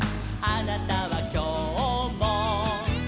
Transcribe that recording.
「あなたはきょうも」